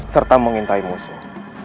serta mengintai musuh